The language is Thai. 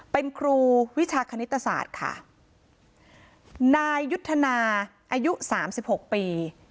เป็นครูวิชาคณิตศาสตร์ค่ะนายยุทธนาอายุสามสิบหกปี